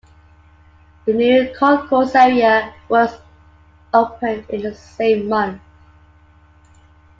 The new concourse area was opened in the same month.